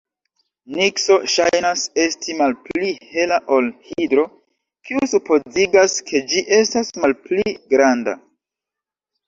Nikso ŝajnas esti malpli hela ol Hidro, kio supozigas, ke ĝi estas malpli granda.